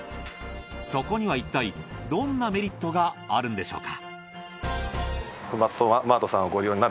そこにはいったいどんなメリットがあるのでしょうか？